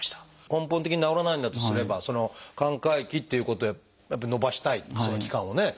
根本的に治らないんだとすればその寛解期ということをやっぱり延ばしたいその期間をね。